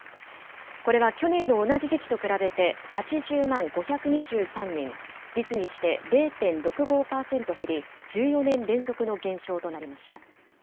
これは去年の同じ時期と比べて８０万５２３人、率にして０．６５％減り、１４年連続の減少となりました。